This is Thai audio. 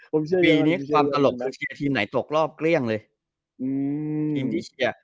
ปีนี้ความตลกคือเชียร์ทีมไหนตกรอบเกลี้ยงเลย